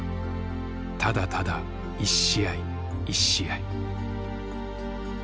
ただただ一試合一試合」。